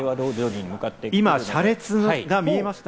今車列が見えました。